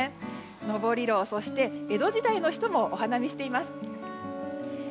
登廊、そして江戸時代の人もお花見しています。